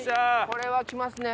これはきますね。